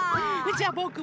じゃあぼくも。